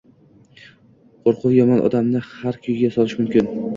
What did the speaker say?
Qo`rquv yomon, odamni har kuyga solishi mumkin